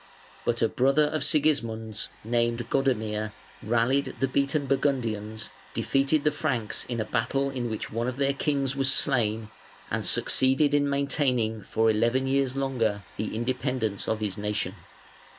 But a brother of Sigismund's, named Godamir, rallied the beaten Burgundians, defeated the Franks in a battle in which one of their kings was slain, and succeeded in maintaining for eleven years longer the independence of his nation.